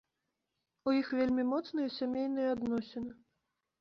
У іх вельмі моцныя сямейныя адносіны.